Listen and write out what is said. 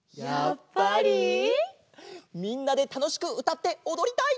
みんなでたのしくうたっておどりたい！